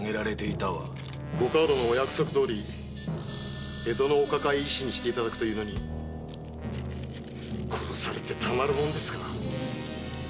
ご家老のお約束どおり江戸のお抱え医師にしていただくというのに殺されてたまるもんですか。